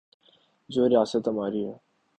جو ریاست ہماری ہے۔